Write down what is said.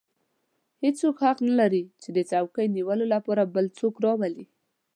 هېڅوک حق نه لري چې د څوکۍ نیولو لپاره بل څوک راولي.